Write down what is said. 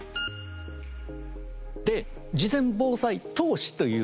で事前防災投資という。